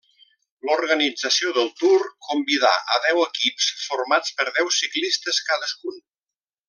L'organització del Tour convidà a deu equips formats per deu ciclistes cadascun.